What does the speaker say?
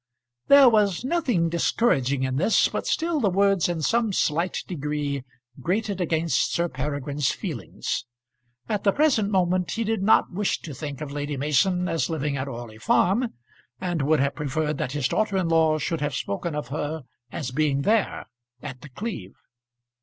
There was nothing discouraging in this, but still the words in some slight degree grated against Sir Peregrine's feelings. At the present moment he did not wish to think of Lady Mason as living at Orley Farm, and would have preferred that his daughter in law should have spoken of her as being there, at The Cleeve.